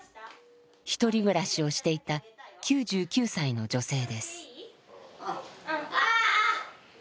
一人暮らしをしていた９９歳の女性です。